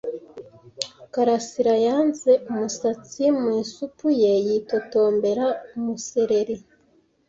Karasirayasanze umusatsi mu isupu ye yitotombera umusereri.